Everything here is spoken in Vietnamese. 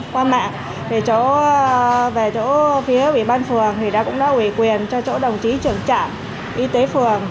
qua mạng thì cháu về chỗ phía ủy ban phường thì đã cũng đã ủy quyền cho chỗ đồng chí trưởng trạm y tế phường